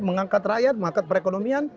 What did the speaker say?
mengangkat rakyat mengangkat perekonomian